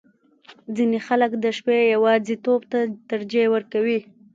• ځینې خلک د شپې یواځیتوب ته ترجیح ورکوي.